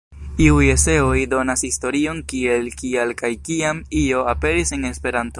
Iuj eseoj donas historion kiel, kial, kaj kiam "-io" aperis en Esperanto.